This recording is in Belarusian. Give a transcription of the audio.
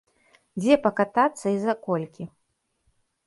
Дзе пакатацца і за колькі?